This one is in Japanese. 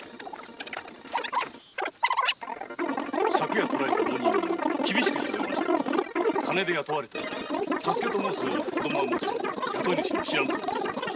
昨夜捕えた浪人ども厳しく調べましたが金で雇われており左助はもとより雇い主も知らぬそうです。